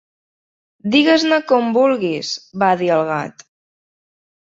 "Digues-ne com vulguis", va dir el Gat.